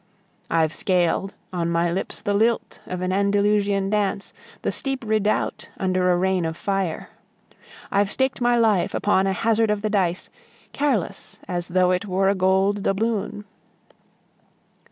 I've scaled, on my lips the lilt of an Andalusian dance, The steep redoubt under a rain of fire; I've staked my life upon a hazard of the dice Careless, as though it were a gold doubloon.